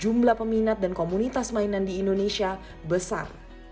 jumlah peminat dan komunitas mainan di indonesia besar